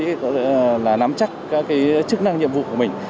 có thể là nắm chắc các cái chức năng nhiệm vụ của mình